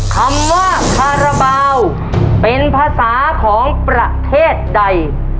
คำว่าคาราบาลเป็นภาษาของประเทศใด